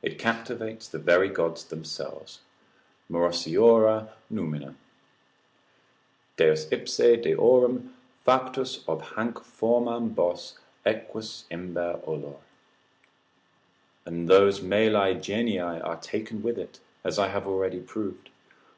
It captivates the very gods themselves, Morosiora numina, ———Deus ipse deorum Factus ob hanc formam bos, equus imber olor. And those mali genii are taken with it, as I have already proved.